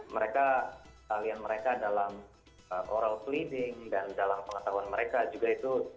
mereka kalian mereka dalam oral cleading dan dalam pengetahuan mereka juga itu